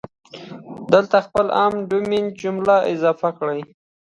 دلته خپله د عام ډومین جمله اضافه کړئ.